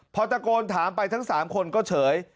พอตะโกนถามไปทั้ง๓คนก็เฉย